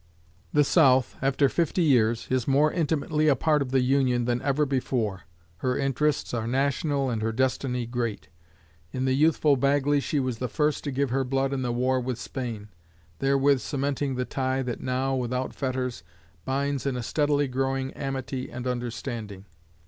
The South, after fifty years, is more intimately a part of the Union than ever before. Her interests are national and her destiny great. In the youthful Bagley she was the first to give her blood in the war with Spain, therewith cementing the tie that now, without fetters, binds in a steadily growing amity and understanding.